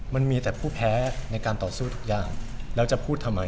มันมีแต่ผู้แพ้ในการต่อสู้ทุกอย่างแล้วจะพูดทำไม